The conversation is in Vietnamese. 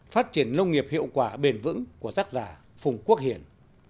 phát triển nông nghiệp hiệu quả bền vững của tác giả phùng quốc hiển